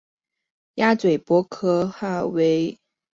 鸭嘴薄壳蛤为薄壳蛤科薄壳蛤属下的一个种。